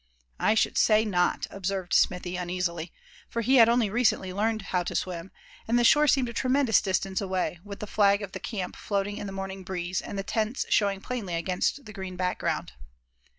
"I should say not," observed Smithy, uneasily; for he had only recently learned how to swim, and the shore seemed a tremendous distance away, with the flag of the camp floating in the morning breeze, and the tents showing plainly against the green background.